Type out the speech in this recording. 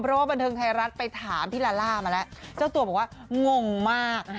เพราะว่าบันเทิงไทยรัฐไปถามพี่ลาล่ามาแล้วเจ้าตัวบอกว่างงมาก